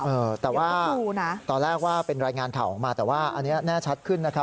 เออแต่ว่าตอนแรกว่าเป็นรายงานข่าวออกมาแต่ว่าอันนี้แน่ชัดขึ้นนะครับ